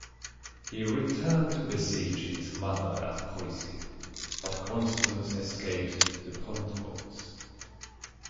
He returned to besiege his mother at Poissy but Constance escaped to Pontoise.